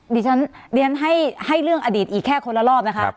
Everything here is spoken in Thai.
ดิฉันเรียนให้เรื่องอดีตอีกแค่คนละรอบนะคะ